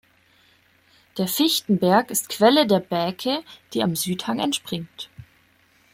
Der Fichtenberg ist Quelle der Bäke, die am Südhang entspringt.